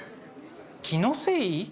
気のせい？